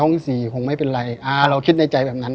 ก่อนที่จะเดินเข้าไปพี่แจ๊กจำไอบานแกล็ดได้ไหมครับจำได้